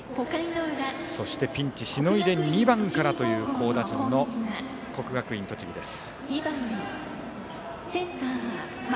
そしてピンチをしのいで２番からという好打順の国学院栃木です。